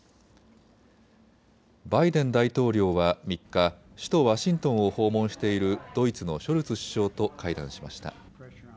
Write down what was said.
バイデン大統領は３日、首都ワシントンを訪問しているドイツのショルツ首相と会談しました。